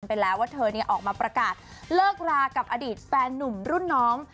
ไปแล้วว่าเธอออกมาประกาศเลิกรากับอดีตแฟนหนุ่มรุ่นน้อง